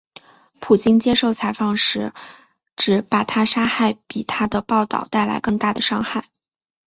普京接受采访时指把她杀害比她的报导带来更大的伤害。